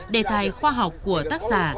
đề tài khoa học của tác giả